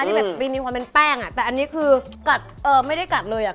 ที่แบบมีความเป็นแป้งอ่ะแต่อันนี้คือกัดเอ่อไม่ได้กัดเลยอ่ะ